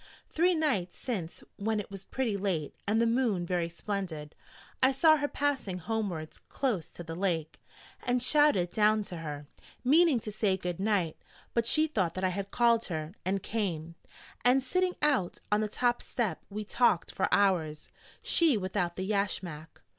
Three nights since when it was pretty late, and the moon very splendid, I saw her passing homewards close to the lake, and shouted down to her, meaning to say 'Good night'; but she thought that I had called her, and came: and sitting out on the top step we talked for hours, she without the yashmak.